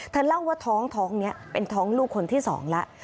เธอเล่าว่าท้องเนี้ยเป็นท้องลูกคนที่สองแล้ว